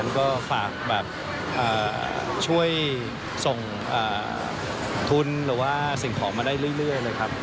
ก็ฝากแบบช่วยส่งทุนหรือว่าสิ่งของมาได้เรื่อยเลยครับ